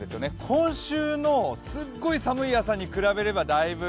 今週のすっごい寒い朝に比べればだいぶ